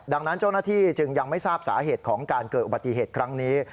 ดังนั้นเจ้าหน้าที่จึงยังไม่ทราบสาเหตุของการเกิดอุบัติเหตุครั้งนี้